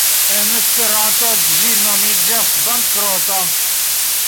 “En Esperanto ĝi nomiĝas ‘bankroto’.